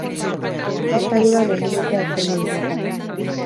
Festa giroan egin dute aurtengo lilatoia.